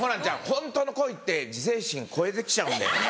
ホントの恋って自制心超えてきちゃうんだよ。